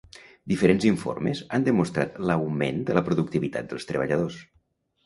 Diferents informes han demostrat l’augment de la productivitat dels treballadors.